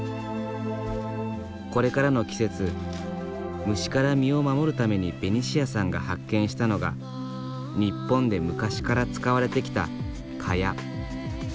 これからの季節虫から身を守るためにベニシアさんが発見したのが日本で昔から使われてきた蚊帳。